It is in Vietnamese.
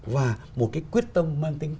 và một cái quyết tâm mang tính